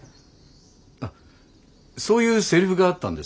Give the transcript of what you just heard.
あっそういうセリフがあったんです。